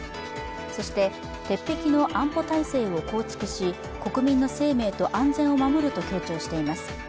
そして鉄壁の安全保障体制を構築し国民の生命と安全を守ると強調しています。